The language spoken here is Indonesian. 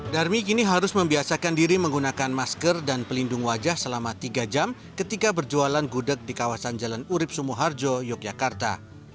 darmi kini harus membiasakan diri menggunakan masker dan pelindung wajah selama tiga jam ketika berjualan gudeg di kawasan jalan urib sumoharjo yogyakarta